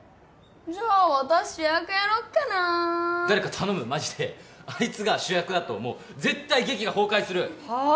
じゃあ私主役やろっかな誰か頼むマジであいつが主役だともう絶対劇が崩壊するはあ！？